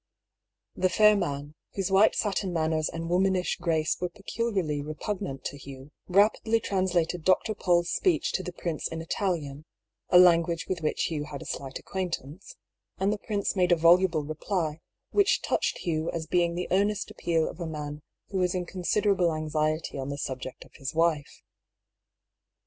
The fair man, whose white satin manners and womanish grace were peculiarly repugnant to Hugh, rapidly translated Dr. PauU's speech to the prince in Italian (a language with which Hugh had a slight acquaintance), and the prince made a voluble reply, which touched Hugh as being the earnest appeal of a man who was in considerable anxiety on the subject of his wife.